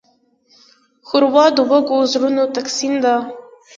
ښوروا د وږو زړونو تسکین ده.